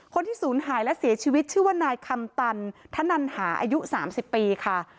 คนที่ศูนย์หายและเสียชีวิตชื่อว่านายคำตันธนันหาอายุ๓๐ปีค่ะ